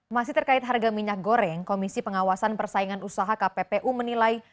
masih terkait harga minyak goreng komisi pengawasan persaingan usaha kppu menilai